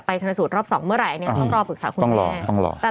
จะไปชนสูตรรอบสองเมื่อไหร่เนี่ยต้องรอปรึกษาคุณแม่